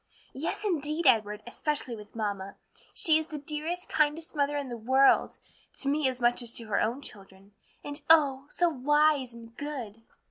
"Yes, indeed, Edward, especially with mamma. She is the dearest, kindest mother in the world; to me as much as to her own children, and oh, so wise and good!"